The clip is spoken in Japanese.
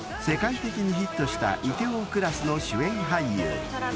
［世界的にヒットした『梨泰院クラス』の主演俳優］